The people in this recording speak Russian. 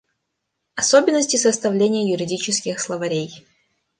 Особенности составления юридических словарей.